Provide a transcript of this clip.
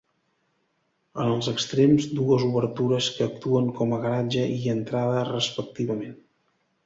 En els extrems, dues obertures que actuen com a garatge i entrada respectivament.